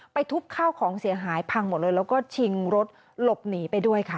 ทุบข้าวของเสียหายพังหมดเลยแล้วก็ชิงรถหลบหนีไปด้วยค่ะ